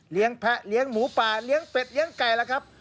แพะเลี้ยงหมูป่าเลี้ยงเป็ดเลี้ยงไก่แล้วครับ